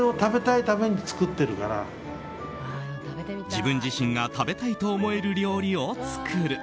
自分自身が食べたいと思える料理を作る。